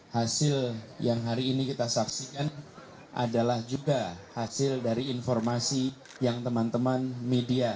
hasil yang hari ini kita saksikan adalah juga hasil dari informasi yang teman teman media